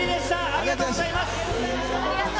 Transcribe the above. ありがとうございます。